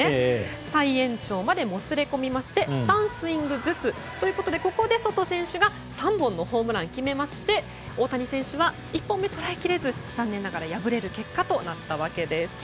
再延長までもつれ込みまして３スイングずつということでここでソト選手が３本のホームランを決めまして大谷選手は１本目とらえきれず残念ながら敗れる結果となったわけです。